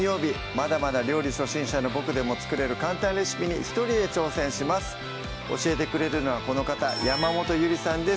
まだまだ料理初心者のボクでも作れる簡単レシピに一人で挑戦します教えてくれるのはこの方山本ゆりさんです